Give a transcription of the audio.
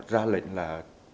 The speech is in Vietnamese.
ra lệnh là